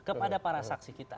kepada para saksi kita